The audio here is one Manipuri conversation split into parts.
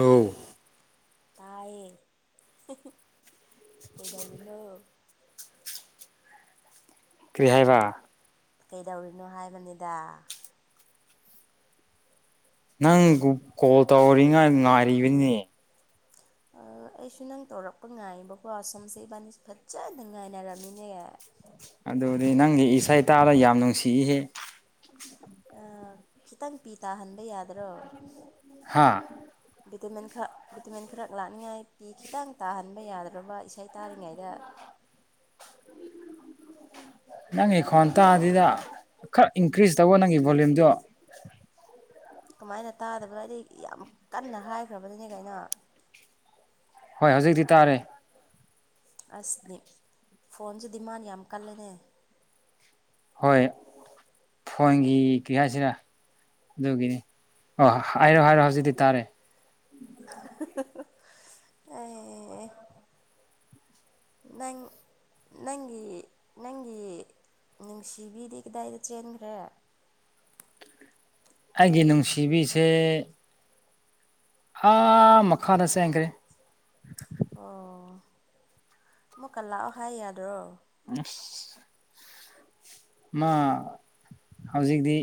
ꯑ ꯇꯥꯏꯌꯦ ꯀꯩꯗꯧꯔꯤꯅꯣ ꯀꯔꯤ ꯍꯥꯏꯕ ꯀꯩꯗꯧꯔꯤꯅꯣ ꯍꯥꯏꯕꯅꯤꯗ ꯅꯪ ꯀꯣꯜ ꯇꯧꯔꯤꯉꯥꯏ ꯉꯥꯏꯔꯤꯕꯅꯦ ꯑꯩꯁꯨ ꯅꯪ ꯇꯧꯔꯛꯄ ꯉꯥꯏꯕꯀꯣ ꯑꯁꯣꯝꯁꯦ ꯏꯕꯥꯅꯤꯁ ꯐꯖꯅ ꯉꯥꯏꯅꯔꯝꯃꯤꯅꯦ ꯑꯗꯨꯗꯤ ꯅꯪꯗꯤ ꯏꯁꯩ ꯇꯥꯔꯒ ꯌꯥꯝ ꯅꯨꯡꯁꯤꯏꯍꯦ ꯈꯤꯇꯪ ꯄꯤ ꯇꯥꯍꯟꯕ ꯌꯥꯗ꯭ꯔꯣ ꯍꯥꯥ ꯕꯤꯗꯨꯃꯦꯟꯈꯥ ꯚꯤꯇꯃꯤꯟ ꯈꯔ ꯂꯥꯛꯅꯤꯡꯉꯥꯏ ꯄꯤ ꯈꯤꯇꯪ ꯇꯥꯍꯟꯕ ꯌꯥꯗ꯭ꯔꯕ ꯏꯁꯩ ꯇꯥꯔꯤꯉꯩꯗ ꯅꯪꯒꯤ ꯈꯣꯟꯇꯥꯥꯗꯨꯗ ꯈꯔ ꯏꯟꯀ꯭ꯔꯤꯁ ꯇꯧꯕ ꯅꯪꯒꯤ ꯚꯣꯂꯌꯨꯝꯗꯣ ꯀꯃꯥꯏꯅ ꯇꯥꯗꯕꯅꯣ ꯑꯩꯗꯤ ꯌꯥꯝ ꯀꯟꯅ ꯍꯥꯏꯈ꯭ꯔꯕꯅꯤꯅꯦ ꯀꯩꯅꯣ ꯍꯣꯏ ꯍꯧꯖꯤꯛꯇꯤ ꯇꯥꯔꯦ ꯑꯁꯅꯤ ꯐꯣꯟꯁꯦ ꯗꯤꯃꯥꯟ ꯌꯥꯝ ꯀꯜꯂꯦꯅꯦ ꯍꯣꯏ ꯐꯣꯟꯒꯤ ꯀꯔꯤ ꯍꯥꯏꯁꯤꯔ ꯑꯗꯨꯒꯤꯅꯤ ꯑꯣ ꯍꯥꯏꯔꯣ ꯍꯥꯏꯔꯣ ꯍꯧꯖꯤꯛꯇꯤ ꯇꯥꯔꯦ ꯑꯦ ꯅꯪ ꯅꯪꯒꯤ ꯅꯪꯒꯤ ꯅꯨꯡꯁꯤꯕꯤꯗꯤ ꯀꯗꯥꯏꯗ ꯆꯦꯟꯈ꯭ꯔꯦ ꯑꯒꯤ ꯅꯨꯡꯁꯤꯕꯤꯁꯦ ꯍꯥ ꯃꯈꯥꯗ ꯆꯦꯟꯈ꯭ꯔꯦ ꯑꯣ ꯃꯨ ꯀꯜꯂꯥꯛꯑꯣ ꯍꯥꯏ ꯌꯥꯗ꯭ꯔꯣ ꯑꯁ ꯃꯥ ꯍꯧꯖꯤꯛꯇꯤ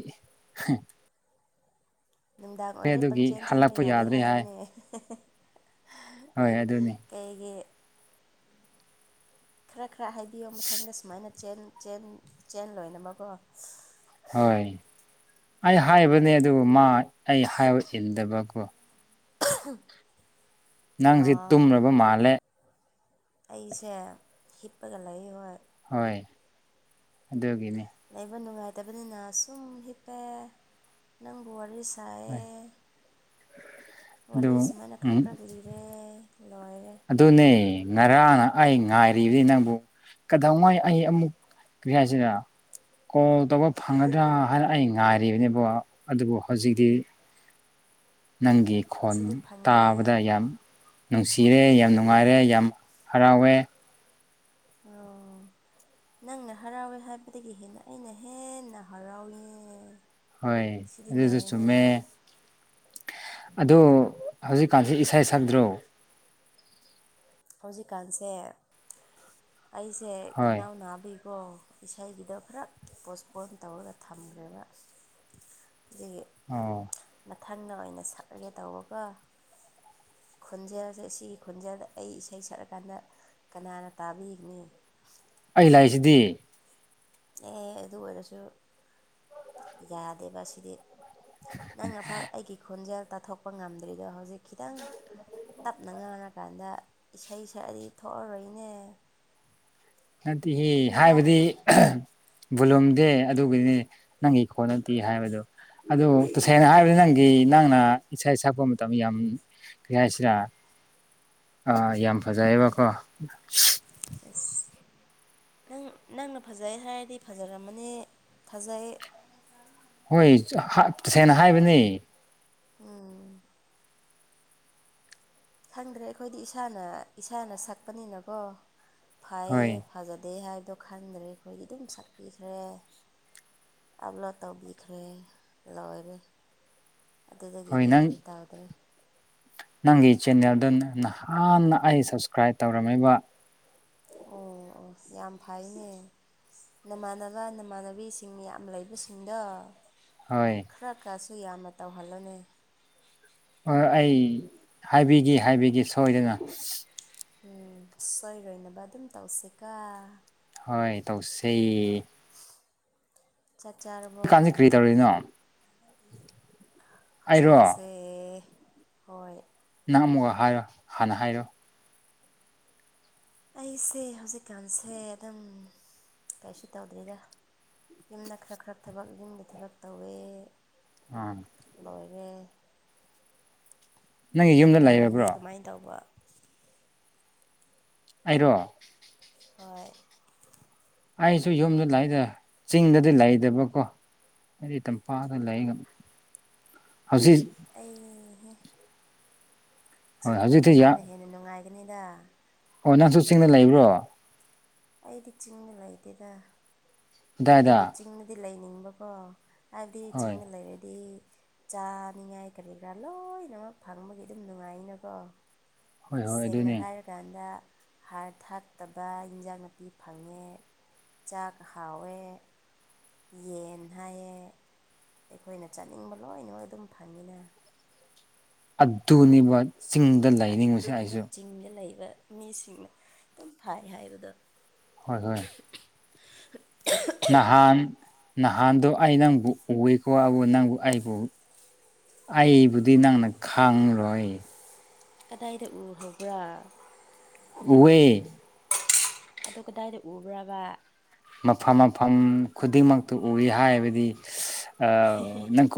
ꯅꯨꯡꯗꯥꯡ ꯑꯣꯏꯔꯦ ꯑꯗꯨꯒꯤ ꯄꯪꯆꯦꯟ ꯆꯟꯕ ꯍꯜꯂꯛꯄ ꯌꯥꯗꯦ ꯌꯥꯗ꯭ꯔꯦ ꯍꯥꯏ ꯍꯥꯏꯌꯨꯅꯦ ꯍꯣꯏ ꯑꯗꯨꯅꯤ ꯀꯩꯒꯤ ꯈꯔ ꯈꯔ ꯍꯥꯏꯕꯤꯌꯣ ꯃꯊꯪꯗ ꯁꯨꯃꯥꯏꯅ ꯆ‌ꯦꯟ ꯆꯦꯟ ꯆ‌ꯦꯟ ꯂꯣꯏꯅꯕꯀꯣ ꯍꯣꯏ ꯑꯩ ꯍꯥꯏꯕꯅꯦ ꯑꯗꯨꯕꯨ ꯃꯥ ꯑꯩ ꯍꯥꯏꯕ ꯏꯟꯗꯕꯀꯣ ꯅꯪꯁꯦ ꯑꯥ ꯇꯨꯝꯂꯕ ꯃꯥꯜꯂꯦ ꯑꯩꯁꯦ ꯍꯤꯞꯄꯒ ꯂꯩ ꯍꯣꯏ ꯍꯣꯏ ꯑꯗꯨꯒꯤꯅꯤ ꯂꯩꯕ ꯅꯨꯡꯉꯥꯏꯇꯕꯅꯤꯅ ꯁꯨꯝ ꯍꯤꯞꯄꯦ ꯅꯪꯕꯨ ꯋꯥꯔꯤ ꯁꯥ ꯍꯣꯏ ꯁꯥꯏꯌ‌ꯦ ꯑꯗꯨ ꯋꯥꯔꯤ ꯁꯨꯃꯥꯏꯅ ꯈꯔ ꯎꯝ ꯈꯔ ꯂꯤ ꯔꯦ ꯂꯣꯏꯔ‌ꯦ ꯑꯗꯨꯅꯦ ꯉꯔꯥꯡ ꯑꯩ ꯉꯥꯏꯔꯤꯕꯅꯤ ꯅꯪꯕꯨ ꯀꯗꯧꯉꯩ ꯑꯩ ꯑꯃꯨꯛ ꯀ꯭ꯔꯤꯍꯥꯏꯁꯤꯔ ꯀꯣꯜ ꯇꯧꯕ ꯐꯪꯒꯗ꯭ꯔꯥ ꯍꯥꯏꯅ ꯑꯩ ꯉꯥꯏꯔꯤꯕꯅꯦꯕ ꯑꯗꯨꯕꯨ ꯍꯧꯖꯤꯛꯇꯤ ꯅꯪꯒꯤ ꯈꯣꯟ ꯍꯧꯖꯤꯛꯇꯤ ꯐꯪꯉꯦ ꯇꯥꯕꯗ ꯌꯥꯝ ꯅꯨꯡꯁꯤꯔꯦ ꯌꯥꯝ ꯅꯨꯡꯉꯥꯏꯔꯦ ꯌꯥꯝ ꯍꯔꯥꯎꯋꯦ ꯑꯣ ꯅꯪꯅ ꯍꯔꯥꯎꯋꯦ ꯍꯥꯏꯕꯗꯒꯤ ꯍꯦꯟꯅ ꯑꯩꯅ ꯍꯦꯟꯅ ꯍꯔꯥꯎꯋ‌ꯦ ꯍꯣꯏ ꯑꯗꯨꯖꯨ ꯆꯨꯝꯃꯦ ꯑꯗꯣ ꯍꯧꯖꯤꯛꯀꯥꯟꯁꯤ ꯏꯁꯩ ꯁꯛꯗ꯭ꯔꯣ ꯍꯧꯖꯤꯛꯀꯥꯟꯁꯦ ꯑꯩꯁꯦ ꯍꯣꯏ ꯈꯅꯥꯎ ꯅꯥꯕꯤ ꯑꯣ‌ ꯏꯁꯩꯒꯤꯗꯣ ꯈꯔ ꯄꯣꯁꯄꯣꯟ ꯇꯧꯔꯒ ꯊꯝꯈ꯭ꯔꯦꯕ ꯑꯗꯒꯤ ꯑꯣ ꯃꯊꯪꯅ ꯑꯣꯏꯅ ꯁꯛꯂꯒꯦ ꯇꯧꯕꯀ‌ꯣ ꯈ‌ꯣꯟꯖꯦꯜꯁꯦ ꯁꯤꯒꯤ ꯈ‌ꯣꯟꯖꯦꯜꯗ ꯑꯩ ꯏꯁꯩ ꯁꯛꯂꯀꯥꯟꯗ ꯀꯅꯥꯅ ꯇꯥꯕꯤꯒꯅꯤ ꯑꯩ ꯂꯥꯛꯏꯁꯤꯗꯤ ꯑꯦ ꯑꯗꯨ ꯑꯣꯏꯔꯁꯨ ꯌꯥꯗꯦꯕ ꯁꯤꯗꯤ ꯅꯪ ꯑꯐ ꯑꯩꯒꯤ ꯈꯣꯟꯖꯦꯜ ꯇꯥꯊꯣꯛꯄ ꯉꯝꯗ꯭ꯔꯤꯗꯣ ꯍꯧꯖꯤꯛ ꯈꯤꯇꯪ ꯇꯞꯅ ꯉꯥꯡꯔꯀꯥꯟꯗ ꯏꯁꯩ ꯁꯛꯑꯗꯤ ꯊꯣꯛꯑꯔꯣꯏꯅꯦ ꯅꯠꯇꯦꯍꯦ ꯍꯥꯏꯕꯗꯤ ꯑꯗꯨꯅꯤꯗ ꯕꯨꯝꯗꯦ ꯑꯗꯨꯒꯤꯅꯦ ꯅꯪꯒꯤ ꯀꯣꯟꯅꯠꯇꯦ ꯍꯥꯏꯕꯗꯨꯣ ꯑꯗꯨ ꯇꯁꯦꯡꯅ ꯍꯥꯏ ꯅꯪꯒꯤ ꯅꯪꯅ ꯏꯁꯩ ꯁꯛꯄ ꯃꯇꯝ ꯌꯥꯝ ꯀꯔꯤ ꯍꯥꯏꯁꯤꯔꯥ ꯑꯥ ꯌꯥꯝ ꯐꯖꯩꯌꯦꯕꯀꯣ ꯑꯁ ꯅꯪ ꯅꯪꯅ ꯐꯖꯩ ꯍꯥꯏꯔꯗꯤ ꯐꯖꯔꯝꯃꯅꯤ ꯐꯖꯩ ꯍꯣꯏ ꯍꯥꯁꯦꯡꯅ ꯍꯥꯏꯕꯅꯦ ꯎꯝ ꯈꯪꯗ꯭ꯔꯦ ꯑꯩꯈꯣꯏꯗꯤ ꯏꯁꯥꯅ ꯏꯁꯥꯅ ꯁꯛꯄꯅꯤꯅꯀꯣ ꯐꯥꯏꯌ‌ꯦ ꯍꯣꯏ ꯐꯖꯗꯦ ꯍꯥꯏꯕꯗꯣ ꯈꯟꯗ꯭ꯔꯦ ꯑꯩꯈꯣꯏꯗꯤ ꯑꯗꯨꯝ ꯁꯛꯄꯤꯈ꯭ꯔꯦ ꯑꯞꯂꯣꯗ ꯇꯧꯕꯤꯈ꯭ꯔꯦ ꯂꯣꯏꯔꯦ ꯑꯗꯨꯗꯒꯤ ꯍꯣꯏ ꯅꯪ ꯍꯦꯟꯗꯤ ꯇꯧꯗ꯭ꯔꯦ ꯅꯪꯒꯤ ꯆꯦꯟꯅꯦꯜꯗꯨ ꯅꯍꯥꯟꯅ ꯑꯩ ꯁꯞꯁꯀ꯭ꯔꯥꯏꯞ ꯇꯧꯔꯝꯃ‌ꯦꯕ ꯑꯣ ꯑꯣ ꯌꯥꯝ ꯐꯩꯅꯦ ꯅꯃꯥꯟꯅꯕ ꯅꯃꯥꯟꯅꯕꯤꯁꯤꯡ ꯌꯥꯝ ꯂꯩꯕꯁꯤꯡꯗꯣ ꯍꯣꯏ ꯈꯔ ꯈꯔꯁꯨ ꯌꯥꯝꯅ ꯇꯧꯍꯜꯂꯨꯅ‌ꯦ ꯍ‌ꯣꯏ ꯑꯩ ꯍꯥꯏꯕꯤꯒꯦ ꯍꯥꯏꯕꯤꯒꯦ ꯁꯣꯏꯗꯅ ꯎꯝ ꯁꯣꯏꯔꯣꯏꯅꯕ ꯑꯗꯨꯝ ꯇꯧꯁꯤꯀ‌ꯣ ꯍꯣꯏ ꯇꯧꯁ‌ꯦ ꯆꯥꯛ ꯆꯥꯔꯔꯕꯣ ꯀꯔꯤ ꯇꯧꯔꯤꯅꯣ ꯑꯩꯔꯣ ꯍꯧꯖꯤꯀꯥꯟꯁꯦ ꯑꯦ ꯍꯣꯏ ꯅꯪ ꯑꯃꯨꯛꯒ ꯍꯥꯏꯔꯣ ꯍꯥꯟꯅ ꯍꯥꯏꯔꯣ ꯑꯩꯁꯦ ꯍꯧꯖꯤꯛꯀꯥꯟꯁꯦ ꯑꯗꯨꯝ ꯀꯩꯁꯨ ꯇꯧꯗ꯭ꯔꯤꯗ ꯌꯨꯝꯗ ꯈꯔ ꯈꯔ ꯊꯕꯛ ꯌꯨꯝꯒꯤ ꯊꯕꯛ ꯇꯧꯋꯦ ꯎꯝ ꯂꯣꯏꯔꯦ ꯅꯪꯒꯤ ꯌꯨꯝꯗ ꯅꯪꯗꯤ ꯂꯩꯔꯕ꯭ꯔꯣ ꯀꯃꯥꯏꯅ ꯇꯧꯕ ꯑꯩꯔꯣ ꯍꯣꯏ ꯑꯩꯁꯨ ꯌꯨꯝꯗ ꯂꯩꯗ ꯆꯤꯡꯗꯗꯤ ꯂꯩꯇꯕꯀꯣ ꯑꯩꯗꯤ ꯇꯝꯄꯥꯛꯗ ꯂꯩꯒ ꯍꯧꯖꯤꯛ ꯑꯩꯍ‌ꯦ ꯍꯣꯏ ꯆꯤꯡꯗ ꯍꯧꯖꯤꯛꯇꯤ ꯌꯥ ꯂꯩꯕꯅ ꯍꯦꯟꯅ ꯅꯨꯡꯉꯥꯏꯒꯅꯤꯗ ꯑꯣ ꯅꯪꯁꯨ ꯆꯤꯡꯗ ꯂꯩꯕ꯭ꯔꯣ ꯑꯩꯗꯤ ꯆꯤꯡꯗ ꯂꯩꯇ‌ꯦꯗ ꯑꯗꯥꯏꯗ ꯑꯗꯨꯕꯨ ꯆꯤꯡꯗꯗꯤ ꯂꯩꯅꯤꯡꯕꯀꯣ ꯍꯥꯏꯕꯗꯤ ꯍꯣꯏ ꯆꯤꯡꯗ ꯂꯩꯔꯗꯤ ꯆꯥꯅꯤꯡꯉꯥꯏ ꯀꯔꯤ ꯀꯔꯥ ꯂꯣꯏꯅꯃꯛ ꯐꯪꯕꯒꯤ ꯑꯗꯨꯝ ꯅꯨꯡꯉꯥꯏꯅꯀꯣ ꯍꯣꯏ ꯍꯣꯏ ꯁꯦꯡꯅ ꯑꯗꯨꯅꯤ ꯍꯥꯏꯔꯀꯥꯟꯗ ꯍꯥꯔ ꯊꯥꯛꯇꯕ ꯏꯟꯖꯥꯡ ꯅꯥꯄꯤ ꯐꯪꯉꯦ ꯆꯥꯛ ꯍꯥꯎꯋꯦ ꯌꯦꯟ ꯍꯥꯏꯌꯦ ꯑꯩꯈꯣꯏꯅ ꯆꯥꯅꯤꯡꯕ ꯂꯣꯏꯅꯃꯛ ꯑꯗꯨꯝ ꯐꯪꯉꯤꯅ ꯑꯗꯨꯅꯤꯕ ꯑꯗꯨꯒꯤꯅ‌ꯦ ꯆꯤꯡꯗ ꯂꯩꯕ ꯃꯤꯁꯤꯡꯅ ꯑꯗꯨꯝ ꯐꯥꯏ ꯍꯥꯏꯕꯗꯣ ꯍꯣꯏ ꯍꯣꯏ ꯅꯍꯥꯟ ꯅꯍꯥꯟꯗꯣ ꯑꯩ ꯅꯪꯕꯨ ꯎꯏꯀꯣ ꯑꯗꯨꯕꯨ [unintelligible] ꯅꯪꯕꯨ ꯑꯩꯕꯨ ꯑꯩꯕꯨꯗꯤ ꯅꯪꯅ ꯈꯪꯂꯣꯏꯌ‌ꯦ ꯀꯗꯥꯏꯗ ꯎꯍꯧꯕ꯭ꯔꯥ ꯎꯋ‌ꯦ ꯑꯗꯨ ꯀꯗꯥꯏꯗ ꯎꯕ꯭ꯔꯕꯥ ꯃꯐꯝ ꯃꯐꯝ ꯈꯨꯗꯤꯡꯃꯛꯇ ꯎꯏ ꯍꯥꯏꯕꯗꯤ ꯅꯪꯀ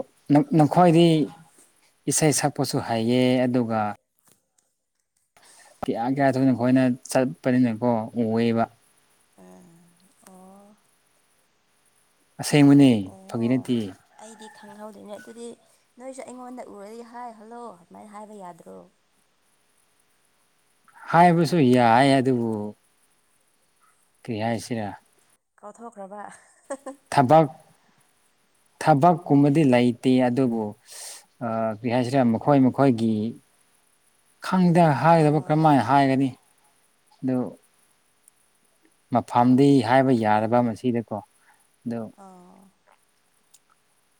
ꯅꯈꫭꯏꯗꯤ ꯏꯁꯩ ꯁꯛꯄꯁꯨ ꯍꯩꯌꯦ ꯑꯗꯨꯒ [unintelligible] ꯀꯤꯌꯥ ꯀꯌꯥ ꯊꯣꯏꯅ ꯑꯩꯈꯣꯏꯅ ꯆꯠꯄꯅꯤꯅꯀꯣ ꯎꯋꯦꯕ [unintelligible] ꯑꯦ ꯑꯣ ꯑꯣ ꯑꯁꯦꯡꯕꯅꯦ ꯐꯒꯤ ꯑꯣ ꯅꯠꯇꯦ ꯑꯩꯗꯤ ꯈꯪꯍꯧꯗ‌ꯦꯅꯦ ꯑꯗꯨꯗꯤ ꯅꯣꯏꯁꯨ ꯑꯩꯉꯣꯟꯗ ꯎꯔꯗꯤ ꯍꯥꯏ ꯍꯜꯂꯣ ꯑꯗꯨꯃꯥꯏꯅ ꯍꯥꯏꯕ ꯌꯥꯗ꯭ꯔꯣ ꯍꯥꯏꯕꯁꯨ ꯌꯥꯏ ꯑꯗꯨꯕꯨ ꯀꯔꯤ ꯍꯥꯏꯁꯤꯔꯥ ꯀꯥꯎꯊꯣꯛꯈ꯭ꯔꯕ ꯊꯕꯛ ꯊꯕꯛꯀꯨꯝꯕꯗꯤ ꯂꯩꯇꯦ ꯑꯗꯨꯕꯨ ꯑꯥ ꯀꯔꯤ‌ ꯍꯥꯏꯁꯤꯔꯥ‌ ꯃꯈꯣꯏ ꯃꯈꯣꯏꯒꯤ ꯈꯪꯗ‌ꯦ ꯍꯥꯏꯒꯗꯕ ꯑꯥ ꯀꯔꯝꯥꯏꯅ ꯍꯥꯏꯒꯅꯤ ꯑꯗꯨ ꯃꯐꯝꯗꯤ ꯍꯥꯏꯕ ꯌꯥꯗꯕ ꯃꯁꯤꯗꯀꯣ ꯑꯗꯨ ꯑꫭ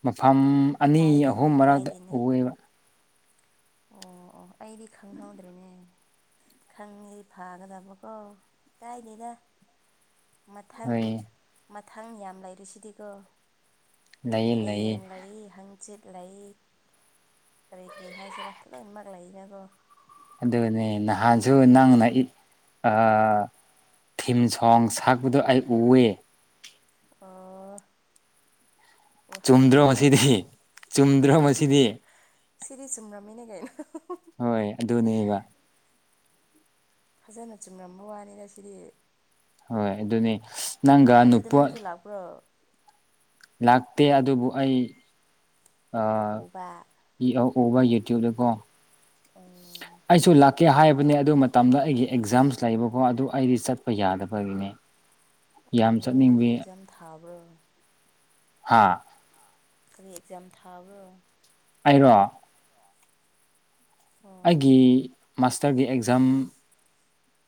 ꯃꯐꯝ ꯑꯅꯤ ꯀꯥꯏꯗꯦꯅꯦ ꯑꯍꯨꯝ ꯃꯔꯛꯇ ꯀꯥꯏꯗꯦꯅꯦ ꯎꯨꯏꯌ‌ꯦꯕ ꯑꯣ ꯑꯣ ꯑꯩꯗꯤ ꯈꯪꯍꯧꯗ꯭ꯔꯦꯅꯦ ꯈꯪꯉꯗꯤ ꯐꯥꯒꯗꯕꯀꯣ ꯀꯥꯏꯗ‌ꯦꯗ ꯃꯊꯪ ꯍꯣꯏ ꯃꯊꯪ ꯌꯥꯝ ꯂꯩꯔꯤꯁꯤꯗꯤꯀꯣ ꯂꯩꯌꯦ ꯂꯩꯌꯦ ꯍꯌꯦꯡ ꯂꯩ ꯍꯪꯆꯤꯠ ꯂꯩ ꯀꯔꯤ ꯀꯔꯤ ꯍꯥꯏꯁꯤꯔꯥ ꯂꯣꯏꯅꯃꯛ ꯂꯩꯅꯀꯣ ꯑꯗꯨꯅꯦ ꯅꯍꯥꯟꯁꯨ ꯅꯪꯅ ꯑꯥ ꯊꯤꯝ ꯁꯣꯡꯁ ꯁꯛꯄꯗꯣ ꯑꯩ ꯎꯑꯦ ꯑꫭ ꯑꯣ ꯆꯨꯝꯗ꯭ꯔꯣ ꯍꯥꯎꯕ꯭ꯔꯣꯅꯦ ꯃꯁꯤꯗꯤ ꯆꯨꯝꯗ꯭ꯔꯣ ꯃꯁꯤꯗꯤ ꯁꯤꯗꯤ ꯆꯨꯝꯔꯥꯝꯃꯤꯅꯦ ꯀꯥꯏꯅ ꯍꯣꯏ ꯑꯗꯨꯅꯦꯕ ꯐꯖꯅ ꯆꯨꯝꯂꯝꯝꯕ ꯋꯥꯅꯤꯅ ꯁꯤꯗꯤ ꯍꯣꯏ ꯑꯗꯨꯅꯤ ꯅꯪꯒ ꯑꯗꯨꯗ ꯅꯨꯄꯥ ꯅꯪꯁꯨ ꯂꯥꯛꯄ꯭ꯔꯣ ꯂꯥꯛꯇꯦ ꯑꯗꯨꯕꯨ ꯑꯩ ꯎꯕ ꯑ ꯎꯕ ꯌꯨꯇ꯭ꯌꯨꯕꯇꯀꯣ ꯑꯣ ꯑꯩꯁꯨ ꯂꯥꯛꯀꯦ ꯍꯥꯏꯕꯅꯦ ꯑꯗꯨ ꯃꯇꯝꯗ ꯑꯩꯒꯤ ꯑꯦꯛꯖꯥꯝꯁ ꯂꯩꯕꯀꯣ ꯑꯗꯨ ꯑꯩꯗꯤ ꯆꯠꯄ ꯌꯥꯗꯕꯒꯤꯅꯤ ꯑꯣ ꯅꯪ ꯀꯔꯤ ꯑꯦꯛꯖꯥꯝ ꯊꯥꯕ꯭ꯔꯣ ꯍꯥꯥ ꯀꯔꯤ ꯑꯦꯛꯖꯥꯝ ꯊꯥꯕ꯭ꯔꯣ ꯑꯩꯔꯣ ꯑꯣ ꯑꯩꯒꯤ ꯃꯥꯁꯇꯔꯒꯤ ꯑꯦꯛꯖꯥꯝ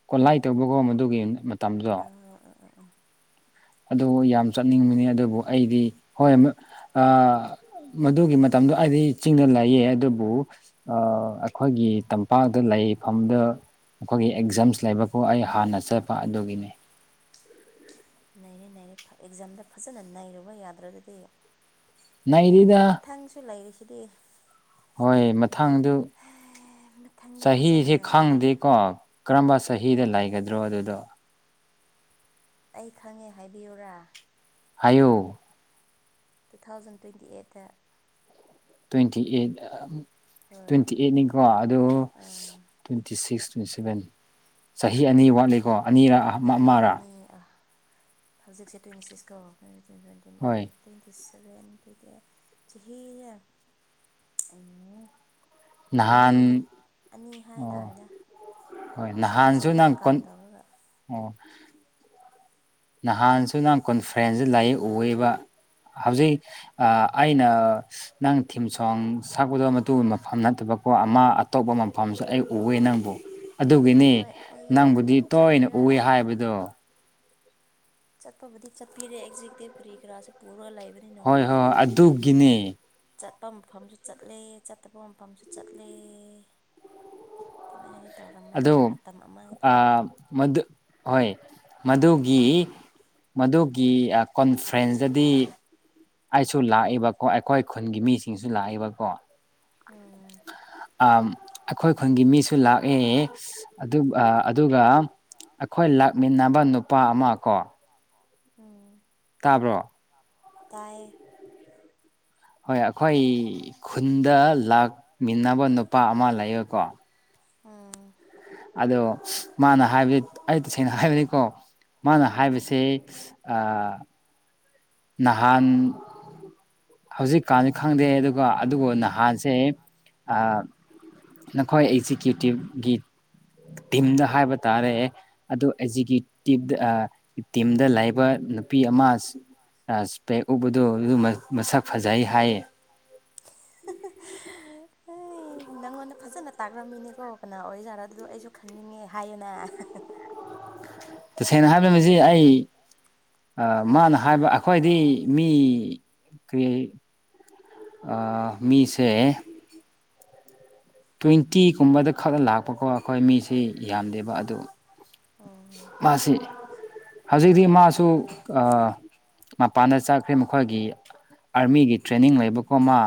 ꯀꯣꯂꯥꯏ ꯇꯧꯕꯀꯣ ꯃꯗꯨꯒꯤ ꯃꯇꯝꯗꯨꯗꯣ [unintelligible] ꯑꯗꯨ ꯌꯥꯝ ꯆꯠꯅꯤꯡꯕꯅꯤ ꯑꯗꯨꯕꯨ ꯑꯩꯗꯤ ꯍꯣꯏ ꯃꯗꯨꯒꯤ ꯃꯇꯝꯗꯣ ꯑꯩꯗꯤ ꯆꯤꯡꯅ ꯂꯩꯌꯦ ꯑꯗꯨꯕꯨ ꯑꯩꯈꯣꯏꯒꯤ ꯄꯥꯛꯇ ꯂꯩꯐꯝꯗ ꯃꯈꯣꯏꯒꯤ ꯑꯦꯛꯖꯥꯝꯁ ꯂꯩꯕꯄꯨ ꯑꯩ ꯍꯥꯟꯅ ꯆꯠꯄ ꯑꯗꯨꯒꯤꯅꯤ ꯅꯩꯔꯦ ꯅꯔꯦ ꯑꯦꯛꯖꯥꯝꯗ ꯐꯖꯅ ꯅꯩꯔꯨꯕ ꯌꯥꯗ꯭ꯔꯗꯤ ꯅꯗ ꯃꯊꯪꯁꯨ ꯂꯩꯔꯤꯁꯤꯗꯤ ꯍꯣꯏ ꯃꯊꯥꯡꯗꯨ ꯃꯊꯪꯗ ꯐꯖꯅ ꯆꯍꯤꯁꯤꯦ ꯈꯪꯗꯦꯀꯣ ꯀꯔꯝꯕ ꯆꯍꯤꯗ ꯍꯣꯏ ꯂꯩꯒꯗ꯭ꯔꯣ ꯑꯗꯨꯗꯣ ꯑꯩ ꯈꯪꯉꯦ ꯍꯥꯏꯕꯤꯌꯨꯔꯥ ꯍꯥꯏꯌꯨ ꯇꯨ ꯊꯥꯎꯖꯟ ꯇ꯭ꯋꯦꯟꯇꯤ ꯑꯩꯠꯇ ꯇ꯭ꯋꯦꯟꯇꯤ ꯑꯩꯠ ꯍꯣꯏ ꯇ꯭ꯋꯦꯟꯇꯤ ꯑꯩꯠꯅꯤꯀꯣ ꯑꯗꯣ ꯑꯥ ꯇ꯭ꯋꯦꯟꯇꯤ ꯁꯤꯛꯁ ꯇ꯭ꯋꯦꯟꯇꯤ ꯁꯚꯦꯟ ꯆꯍꯤ ꯑꯅꯤ ꯋꯥꯠꯂꯤꯀꯣ ꯑꯅꯤꯔꯛ ꯆꯍꯤ ꯑꯅꯤ ꯍꯧꯖꯤꯛꯁꯦ ꯇ꯭ꯋꯦꯟꯇꯤ ꯁꯤꯛꯁꯀ ꯇ꯭ꯋꯇ ꯇ ꯁꯦꯟ ꯇ꯭ꯋꯦꯟꯇꯤ ꯍꯣꯏ eight twenty seven twenty eight ꯆꯍꯤ ꯅꯍꯥꯟ ꯑꯅꯤ ꯑꯅꯤ ꯑꯣ ꯍꯥꯏꯇꯥꯔꯦꯅꯦ ꯍꯣꯏ ꯁꯤꯒꯤ ꯅꯍꯥꯟꯁꯨ ꯆꯍꯤꯗ ꯅꯪ ꯀꯥꯎꯟ ꯀꯣꯟ ꯇꯧꯔꯒ ꯑꯣ ꯅꯍꯥꯟꯁꯨ ꯅꯍꯪ ꯀꯣꯟꯐ꯭ꯔꯦꯟꯁꯁ ꯂꯥꯏꯔꯤꯛ ꯎꯕ ꯍꯧꯖꯤꯛ ꯑꯩꯅ ꯅꯪ ꯊꯤꯝ ꯁꯣꯡ ꯁꯛꯄꯗꯣ ꯃꯇꯨꯡꯕ ꯃꯐꯝ ꯅꯠꯇꯕ ꯍ ꯑꯃ ꯑꯇꯣꯞꯄ ꯃꯐꯝꯁꯨ ꯑꯩ ꯎꯋꯦ ꯅꯪꯕꯨ ꯑꯗꯨꯒꯤꯅꯤ ꯍꯣꯏ ꯑꯩ ꯑꯗꯨꯝ ꯅꯪꯕꯨꯗꯤ ꯇꯣꯏꯅ ꯆꯠꯂꯦꯕ ꯎꯏ ꯍꯥꯏꯕꯗꯣ ꯆꯠꯄꯕꯨꯗꯤ ꯆꯠꯄꯤꯔꯦ ꯑꯦꯛꯖꯖꯤꯀꯇꯤꯞ ꯀꯔꯤ ꯀꯔꯥꯁꯦ ꯄꯨꯔꯒ ꯂꯩꯕ ꯍꯣꯏ ꯍꯣꯏ ꯑꯗꯨꯒꯤꯅꯦ ꯆꯠꯄ ꯃꯐꯝꯁꯨ ꯆꯠꯂꯦ ꯆꯠꯇꯕ ꯃꯐꯝꯁꯨ ꯆꯠꯂꯦ ꯀꯃꯥꯏꯅꯗꯤ ꯇꯧꯔꯝꯃꯅꯤ ꯑꯗꯨ ꯃꯇꯝ ꯑꯃꯗꯤ ꯃꯗꯨ ꯍꯣꯏ ꯃꯗꯨꯒꯤ ꯃꯗꯨꯒꯤ ꯀꯣꯟꯐ꯭ꯔꯦꯟꯁꯇꯗꯤ ꯑꯩꯁꯨ ꯂꯥꯛꯏꯕ ꯀꯣ ꯑꯩꯈꯣꯏ ꯈꯨꯟꯒꯤ ꯃꯤꯁꯤꯡꯁꯨ ꯂꯥꯛꯏꯕꯀꯣ ꯑꯣꯥ ꯑ ꯑꯩꯈꯣꯏ ꯈꯨꯟꯒꯤ ꯃꯤꯁꯨ ꯂꯥꯛꯑꯦ ꯑꯗꯨꯒ ꯑꯩꯈꯣꯏ ꯂꯥꯛꯃꯤꯟꯅꯕ ꯅꯨꯄꯥ ꯑꯃ ꯀꯣ ꯎꯝ ꯇꯥꯕ꯭ꯔꯣ ꯇꯥꯏꯌꯦ ꯍꯣꯏ ꯑꯩꯈꯣꯏ ꯈꯨꯟꯗ ꯂꯥꯛꯃꯤꯟꯅꯕ ꯅꯨꯄꯥ ꯑꯃ ꯂꯩꯌꯦꯀꯣ ꯑꯥ ꯑꯗꯣ ꯃꯥꯅ ꯍꯥꯏꯕꯗꯤ ꯑꯩ ꯇꯁꯦꯡꯅ ꯍꯥꯏꯕꯅꯤꯀꯣ ꯃꯥꯅ ꯎꯝ ꯍꯥꯏꯕꯕꯁꯤ ꯑꯥ ꯅꯍꯥꯟ ꯍꯧꯖꯤꯛꯀꯥꯟꯁꯨ ꯈꯪꯗꯦ ꯑꯗꯨꯒ ꯑꯗꯨꯕꯨ ꯅꯍꯥꯟꯁꯦ ꯅꯈꯣꯏ ꯑꯦꯛꯖꯤꯀ꯭ꯌꯨꯇꯤꯞꯒꯤ ꯇꯤꯝꯗ ꯍꯥꯏꯕ ꯇꯥꯔꯛꯑꯦ ꯑꯗꯣ ꯑꯦꯛꯖꯤꯀ꯭ꯌꯨꯇꯤꯞꯗ ꯇꯤꯝꯗ ꯂꯩꯕ ꯅꯨꯄꯤ ꯑꯃ [unintelligible] ꯏꯁꯄꯦꯛ ꯎꯞꯕꯗꯨ ꯑꯗꯨ ꯃꯁꯛ ꯐꯖꯩ ꯍꯥꯏꯌꯦ [unintelligible] ꯅꯪꯉꯣꯟꯗ ꯐꯖꯅ ꯇꯥꯛꯈ꯭ꯔꯝꯃꯤꯅꯦꯀꯣ ꯀꯅꯥ ꯑꯣꯏꯖꯥꯔꯣ ꯑꯗꯨꯗꯣ ꯑꯩꯁꯨ ꯈꯪꯅꯤꯡꯉꯦ ꯍꯥꯏꯌꯣꯅ ꯇꯁꯦꯡꯅ ꯍꯥꯏꯔꯤꯕꯁꯤ ꯑꯩ ꯃꯥꯅ ꯍꯥꯏꯕ ꯑꯩꯈꯣꯏꯗꯤ ꯃꯤ ꯀꯔꯤ ꯃꯤꯁꯦ ꯇ꯭ꯋꯦꯟꯇꯤꯒꯨꯝꯕꯗ ꯈꯛꯇ ꯂꯥꯛꯄꯀꯣ ꯑꯩꯈꯣꯏ ꯃꯤꯁꯤ ꯌꯥꯝꯗꯦꯕ ꯑꯗꯨ ꯃꯥꯁꯤ ꯑꯣ ꯍꯧꯖꯤꯛꯇꯤ ꯃꯥꯁꯨ ꯃꯄꯥꯟꯗ ꯆꯠꯈ꯭ꯔꯦ ꯃꯈꯣꯏꯒꯤ ꯑꯥꯔꯃꯤꯒꯤ ꯇ꯭ꯔꯦꯅꯤꯡ ꯂꯩꯕꯀꯣ ꯃꯥ